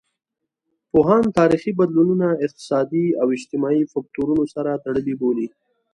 پوهان تاریخي بدلونونه اقتصادي او جمعیتي فکتورونو سره تړلي بولي.